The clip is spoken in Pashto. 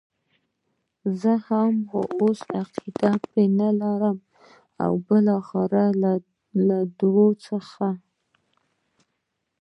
زه هم، خو اوس عقیده پرې نه لرم، بالاخره له دې دوو څخه.